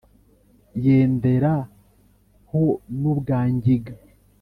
yendera ho n’ubwa ngiga,